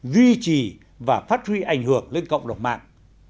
duy trì và phát huy ảnh hưởng lên cộng đồng mạng